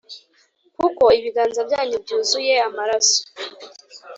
kuko ibiganza byanyu byuzuye amaraso.